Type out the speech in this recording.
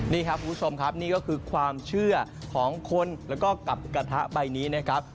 นี่ครับคุณผู้ชมครับนี่ก็คือความเชื่อของคนแล้วก็กับกระทะใบนี้นะครับ